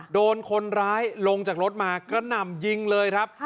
โดนคนร้ายลงจากรถมากระหน่ำยิงเลยครับ